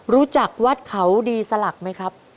รู้จักวัดเขาดีสลักไหมครับ